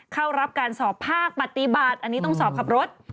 เข้ารับการสอบภาคปฏิบัติอันนี้ต้องสอบขับรถ